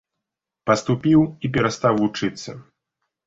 Паступіў і перастаў вучыцца.